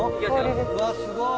うわすごい。